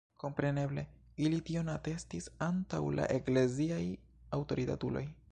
Kompreneble, ili tion atestis antaŭ la ekleziaj aŭtoritatuloj.